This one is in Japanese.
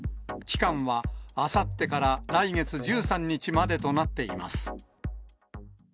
期間はあさってから来月１３日までとなっています。